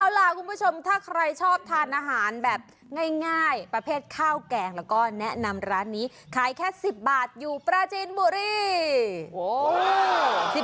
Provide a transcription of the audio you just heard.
เอาล่ะคุณผู้ชมถ้าใครชอบทานอาหารแบบง่ายประเภทข้าวแกงแล้วก็แนะนำร้านนี้ขายแค่๑๐บาทอยู่ปราจีนบุรี